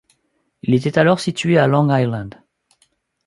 Il était alors situé à Long Island.